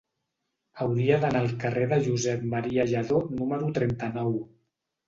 Hauria d'anar al carrer de Josep M. Lladó número trenta-nou.